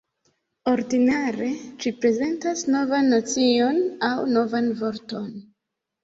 Ordinare ĝi prezentas novan nocion aŭ novan vorton.